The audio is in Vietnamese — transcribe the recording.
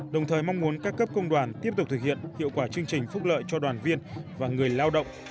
đồng thời mong muốn các cấp công đoàn tiếp tục thực hiện hiệu quả chương trình phúc lợi cho đoàn viên và người lao động